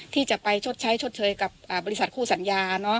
ที่จะไปชดใช้ชดเชยกับบริษัทคู่สัญญา